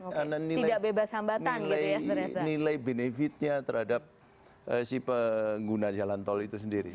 karena nilai benefitnya terhadap si pengguna jalan tol itu sendiri